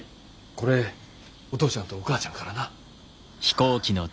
これお父ちゃんとお母ちゃんからな。